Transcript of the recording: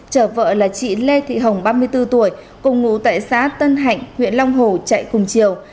chở vợ là chị lê thị hồng ba mươi bốn tuổi cùng ngụ tại xã tân hạnh huyện long hồ chạy cùng chiều